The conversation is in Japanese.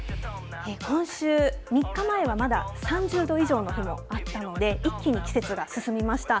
今週、３日前はまだ３０度以上の日もあったので、一気に季節が進みました。